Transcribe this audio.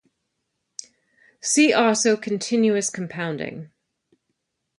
See also continuous compounding.